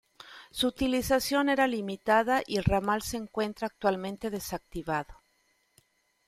Su utilización era limitada y el ramal se encuentra actualmente desactivado.